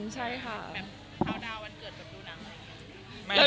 คราวดาววันเกิดดูหนังอะไรอย่างนี้